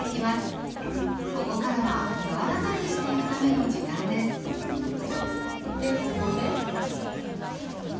ここからはやわらかくしていくための時間ですでここで。